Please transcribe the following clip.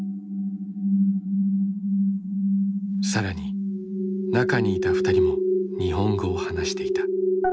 更に中にいた２人も日本語を話していた。